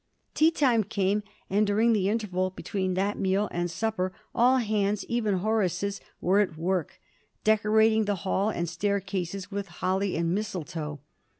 Tea time came, and during the interval between that meal and supper all hands even Horace's were at work, decorating the hall and staircases with holly and mistletoe.